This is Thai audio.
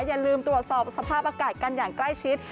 อย่าลืมตรวจสอบสภาพอากาศกันอย่างใกล้ชิด